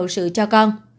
hậu sự cho con